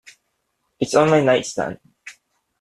It's on my nightstand.